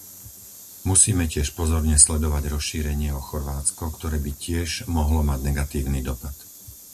Musíme tiež pozorne sledovať rozšírenie o Chorvátsko, ktoré by tiež mohlo mať negatívny dopad.